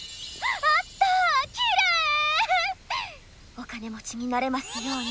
お金持ちになれますように。